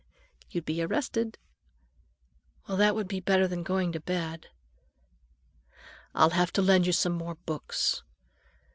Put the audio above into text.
"You'd be arrested." "Well, that would be better than going to bed." "I'll have to lend you some more books."